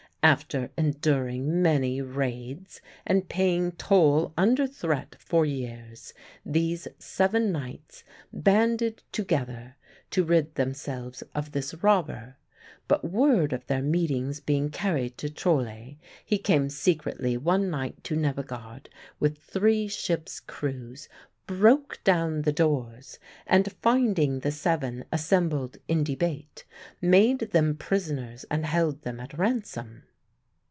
After enduring many raids and paying toll under threat for years, these seven knights banded together to rid themselves of this robber; but word of their meetings being carried to Trolle, he came secretly one night to Nebbegaard with three ships' crews, broke down the doors, and finding the seven assembled in debate, made them prisoners and held them at ransom.